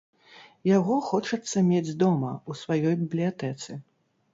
Яго хочацца мець дома, у сваёй бібліятэцы.